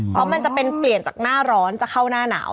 เพราะมันจะเป็นเปลี่ยนจากหน้าร้อนจะเข้าหน้าหนาว